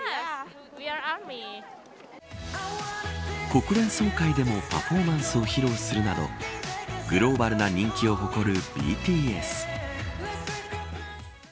国連総会でもパフォーマンスを披露するなどグローバルな人気を誇るＢＴＳ。